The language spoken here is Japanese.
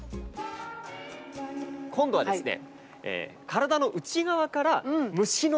今度はですね